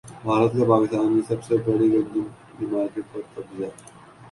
بھارت کا پاکستان کی سب سے بڑی گندم کی مارکیٹ پر قبضہ